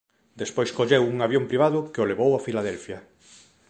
Despois colleu un avión privado que o levou a Filadelfia.